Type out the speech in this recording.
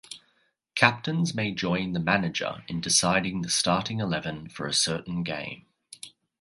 Captains may join the manager in deciding the starting eleven for a certain game.